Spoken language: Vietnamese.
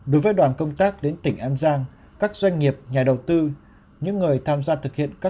đối với đoàn công tác đến tỉnh an giang các doanh nghiệp nhà đầu tư những người tham gia thực hiện các